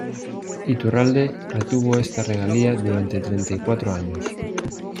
Iturralde retuvo esta regalía durante treinta y cuatro años.